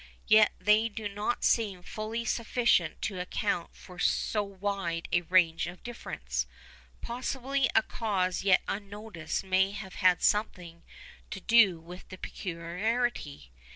Yet they do not seem fully sufficient to account for so wide a range of difference. Possibly a cause yet unnoticed may have had something to do with the peculiarity.